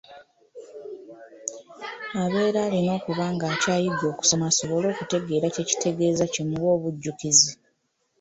Abeera alina okuba ng'akyayiga okusoma asobolE okutegeera kye kitegeeza kimuwe obujjukizi.